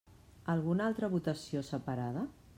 Alguna altra votació separada?